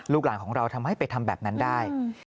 หลานของเราทำให้ไปทำแบบนั้นได้